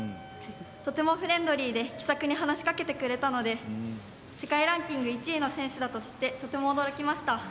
とてもフレンドリーで気さくに話しかけてくれたので世界ランキング１位の選手だと知ってとても驚きました。